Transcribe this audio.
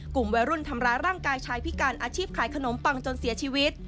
กลุ่มวัยรุ่นทำร้ายร่างกายชายพิการอาชีพขายขนมปังจนเสียชีวิต